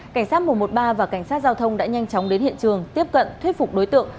cảnh sát một trăm một mươi ba và cảnh sát giao thông đã nhanh chóng đến hiện trường tiếp cận thuyết phục đối tượng